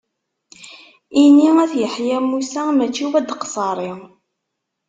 Ini At Yeḥya Musa mačči Wad Qsaṛi.